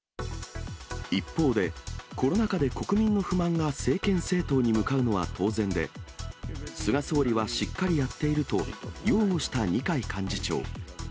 一方で、コロナ禍で国民の不満が政権政党に向かうのは当然で、菅総理はしっかりやっていると、擁護した二階幹事長。